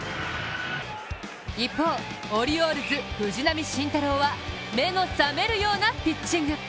一方、オリオールズ・藤浪晋太郎は目の覚めるようなピッチング。